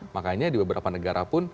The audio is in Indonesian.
makanya di beberapa negara pun